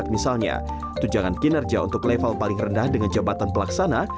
misalnya tunjangan kinerja untuk level paling rendah dengan jabatan pelaksana